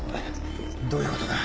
どういうことだ